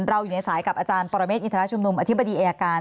อยู่ในสายกับอาจารย์ปรเมฆอินทรชุมนุมอธิบดีอายการ